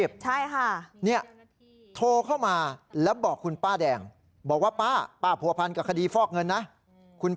เบอร์ไอ้บวกเลขเยอะนี่คุณ